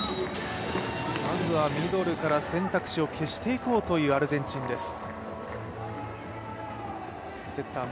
まずはミドルから選択肢を消していこうというアルゼンチンです。